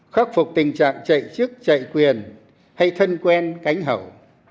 khắc phục tình trạng chạy chức chạy quyền hay thân quen cánh hậu